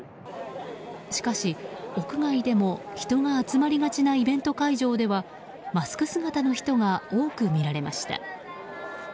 しかし、屋外でも人が集まりがちなイベント会場ではマスク姿の人が多く見られました。